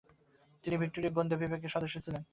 তিনি ভিক্টোরিয়া গোয়েন্দাবিভাগের সদস্য ছিলেন।